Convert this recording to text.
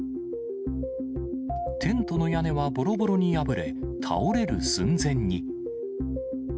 テントの屋根はぼろぼろに破れ、倒れる寸前に。